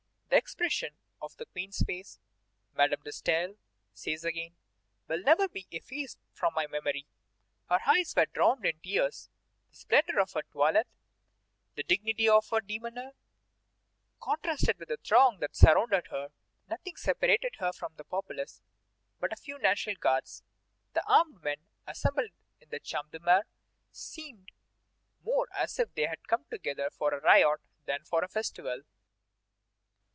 "The expression of the Queen's face," Madame de Staël says again, "will never be effaced from my memory. Her eyes were drowned in tears; the splendor of her toilette, the dignity of her demeanor, contrasted with the throng that surrounded her. Nothing separated her from the populace but a few National Guards; the armed men assembled in the Champ de Mars seemed more as if they had come together for a riot than for a festival."